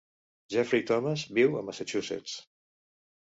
Jeffrey Thomas viu a Massachusetts.